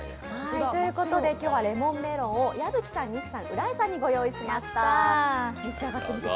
今日はレモンメロンを矢吹さん、西さん、浦井さんにご用意いたしました。